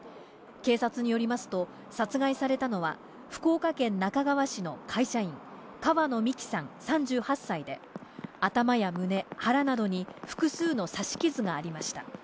警察によりますと、殺害されたのは福岡県那珂川市の会社員、川野美樹さん３８歳で、頭や胸、腹などに複数の刺し傷がありました。